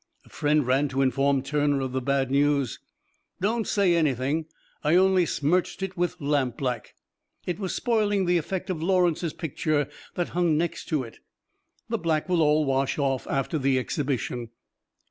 A friend ran to inform Turner of the bad news. "Don't say anything. I only smirched it with lampblack. It was spoiling the effect of Laurence's picture that hung next to it. The black will all wash off after the Exhibition."